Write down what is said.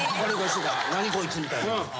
何こいつみたいな。